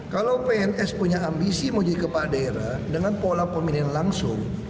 kalau pns punya ambisi mau jadi kepala daerah dengan pola pemilihan langsung